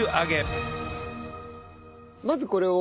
まずこれを。